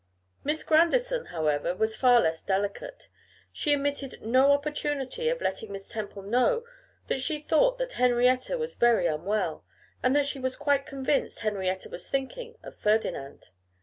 Miss Grandison, however, was far less delicate; she omitted no opportunity of letting Miss Temple know that she thought that Henrietta was very unwell, and that she was quite convinced Henrietta was thinking of Ferdinand.